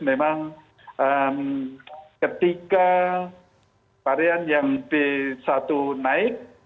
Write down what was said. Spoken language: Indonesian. memang ketika varian yang b satu naik